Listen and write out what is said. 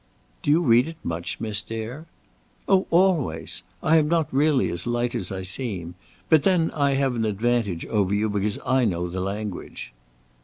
"Do you read it much, Miss Dare?" "Oh, always! I am not really as light as I seem. But then I have an advantage over you because I know the language."